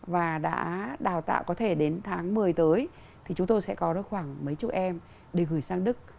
và đã đào tạo có thể đến tháng một mươi tới thì chúng tôi sẽ có khoảng mấy chục em để gửi sang đức